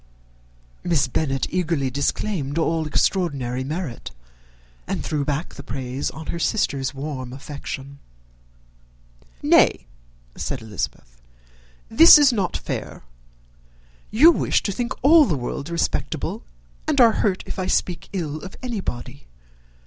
Miss Bennet eagerly disclaimed all extraordinary merit, and threw back the praise on her sister's warm affection. "Nay," said Elizabeth, "this is not fair. You wish to think all the world respectable, and are hurt if I speak ill of anybody.